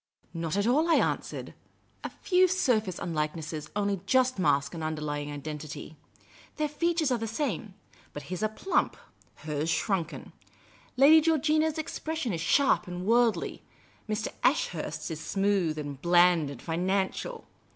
" Not at all," I an.swered. " A few surface unlikenesses only just mask an underlying identity. Their features are the same ; but his are plump ; hers, shrunken. Lad}' Georgina's expression is sharp and worldly ; Mr. Ashurst's is smooth, and bland, and financial.